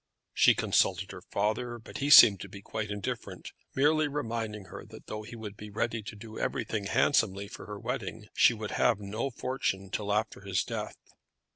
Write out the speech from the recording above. She consulted her father, but he seemed to be quite indifferent, merely reminding her that though he would be ready to do everything handsomely for her wedding, she would have no fortune till after his death.